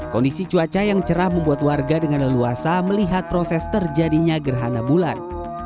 kondisi cuaca yang cerah membuat warga dengan leluasa melihat proses terjadinya gerhana bulan